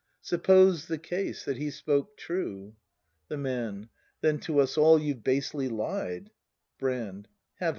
] Suppose the case — that he spoke true? The Man. Then to us all you've basely lied. Brand. Havel ?